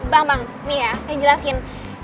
bang bang nih ya saya jelasin